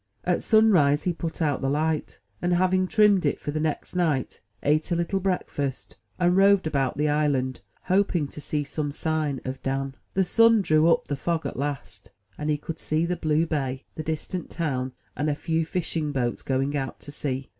At sunrise he put out the light, and, having trimmed it for the next night, ate a little breakfast, and roved about the island 87 M Y BOOK HOUSE hoping to ^ee some sign of Dan. The sun drew up the fog at last; and he could see the blue bay, the distant town, and a few fishing boats going out to sea.